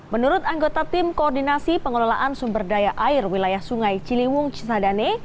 menurut anggota tim koordinasi pengelolaan sumber daya air wilayah sungai ciliwung cisadane